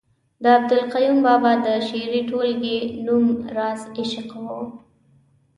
د عبدالقیوم بابا د شعري ټولګې نوم رازِ عشق ؤ